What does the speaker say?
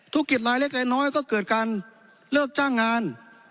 กิจรายเล็กรายน้อยก็เกิดการเลิกจ้างงาน